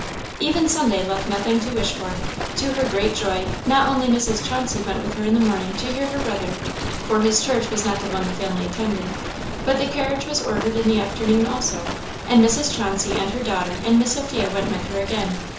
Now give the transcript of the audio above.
Even Sunday left nothing to wish for. To her great joy, not only Mrs. Chauncey went with her in the morning to hear her brother (for his church was not the one the family attended), but the carriage was ordered in the afternoon also; and Mrs. Chauncey and her daughter and Miss Sophia went with her again.